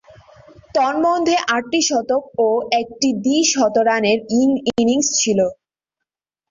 তন্মধ্যে, আটটি শতক ও একটি দ্বি-শতরানের ইনিংস ছিল।